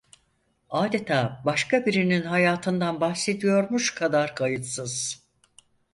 Adeta başka birinin hayatından bahsediyormuş kadar kayıtsız...